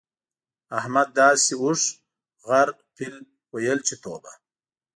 احمد داسې اوښ، غر، پيل؛ ويل چې توبه!